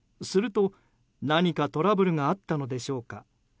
すると、何かトラブルがあったのでしょうか。